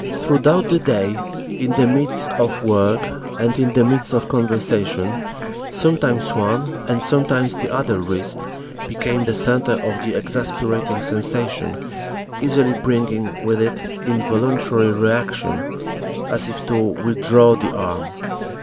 Throughout the day, in the midst of work and in the midst of conversation, sometimes one and sometimes the other wrist became the center of the exasperating sensation, easily bringing with it involuntary reactions as if to withdraw the arm.